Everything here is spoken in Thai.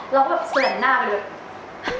เราก็แบบเสื่อนหน้ากันเลยว่า